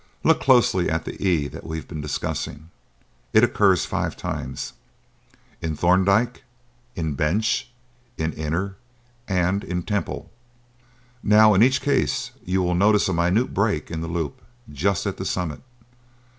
"Look closely at the 'e' that we have been discussing; it occurs five times; in 'Thorndyke,' in 'Bench,' in 'Inner,' and in 'Temple.' Now in each case you will notice a minute break in the loop, just at the summit.